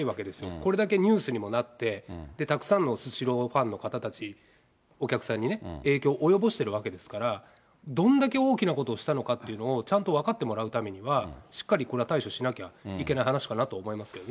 これだけニュースにもなって、たくさんのスシローファンの方たち、お客さんにね、影響を及ぼしてるわけですから、どんだけ大きなことをしたのかっていうのを、ちゃんと分かってもらうためには、しっかりこれは対処しなきゃいけない話かなと思いますけどね。